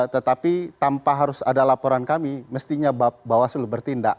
tetapi tanpa harus ada laporan kami mestinya bawaslu bertindak